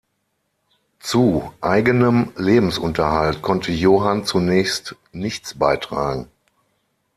Zu eigenem Lebensunterhalt konnte Johann zunächst nichts beitragen.